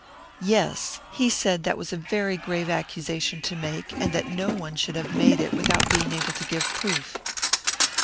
"Yes. He said that was a very grave accusation to make, and that no one should have made it without being able to give proof."